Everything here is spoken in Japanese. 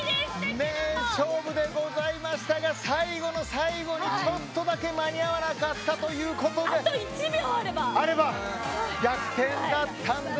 名勝負でございましたが最後の最後にちょっとだけ間に合わなかったというあと１秒あれば。